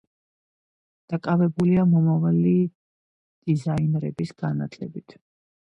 დაკავებულია მომავალი დიზაინერების განათლებით.